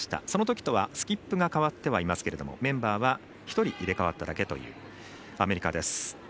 そのときとはスキップが代わってはいますけどもメンバーは、１人入れ代わっただけというアメリカです。